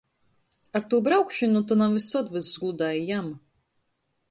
Ar tū braukšonu to na vysod vyss gludai i jam.